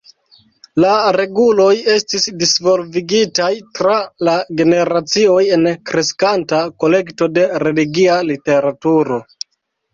La reguloj estis disvolvigitaj tra la generacioj en kreskanta kolekto de religia literaturo.